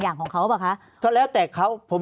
ภารกิจสรรค์ภารกิจสรรค์